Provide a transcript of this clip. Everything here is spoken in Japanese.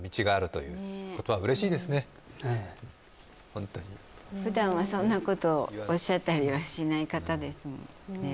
ホントに普段はそんなことおっしゃったりはしない方ですもんね